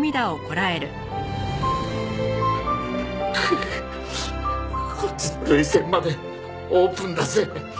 くっこっちの涙腺までオープンだぜ。